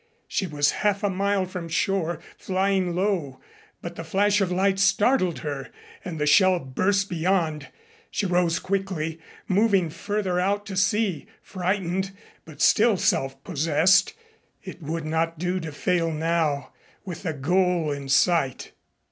She was half a mile from shore, flying low, but the flash of light startled her and the shell burst beyond. She rose quickly, moving further out to sea, frightened, but still self possessed. It would not do to fail now with the goal in sight.